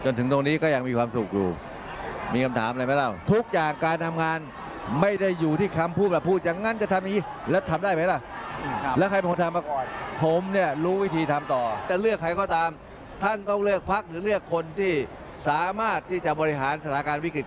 นี่คุณเบิร์ดก็ได้คุยกับคุณตูด้วย